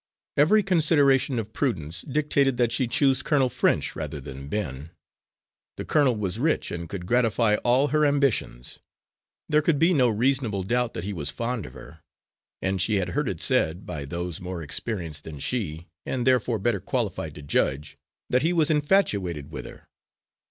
Every consideration of prudence dictated that she choose Colonel French rather than Ben. The colonel was rich and could gratify all her ambitions. There could be no reasonable doubt that he was fond of her; and she had heard it said, by those more experienced than she and therefore better qualified to judge, that he was infatuated with her.